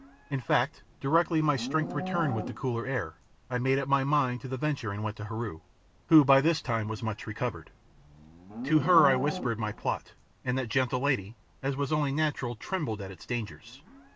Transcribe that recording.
In fact, directly my strength returned with the cooler air, I made up my mind to the venture and went to Heru, who by this time was much recovered. To her I whispered my plot, and that gentle lady, as was only natural, trembled at its dangers.